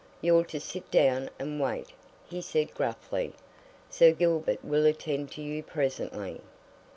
"You're to sit down and wait," he said gruffly. "Sir Gilbert will attend to you presently."